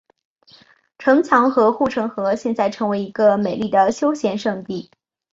城墙和护城河现在成为一个美丽的休闲胜地。